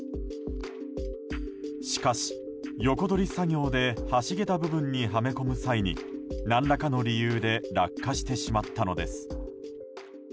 しかし、横取り作業で橋げた部分にはめ込む際に何らかの理由で落下してしまったのです。